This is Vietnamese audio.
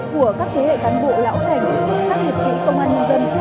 của các thế hệ cán bộ lão thành các liệt sĩ công an nhân dân